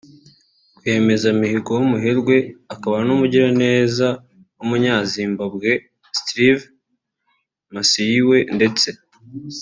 Rwiyemezamirimo w’Umuherwe akaba n’Umugiraneza w’Umunya-Zimbabwe Strive Masiyiwa ndetse